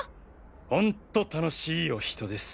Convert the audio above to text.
ホント楽しいお人です。